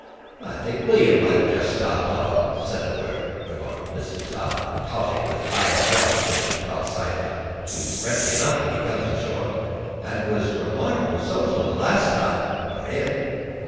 "I think William might have just stopped an' said a word," remarked Mrs. Todd, pouting with high affront as she caught sight of it. "He's friendly enough when he comes ashore, an' was remarkable social the last time, for him."